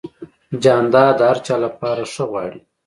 جانداد د هر چا لپاره ښه غواړي.